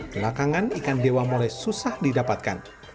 belakangan ikan dewa mulai susah didapatkan